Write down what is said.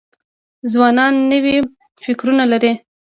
ځوانان نوي فکرونه لري.